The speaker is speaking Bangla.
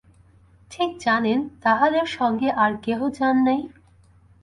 ঠিক জানেন, তাঁহাদের সঙ্গে আর কেহ যান নাই?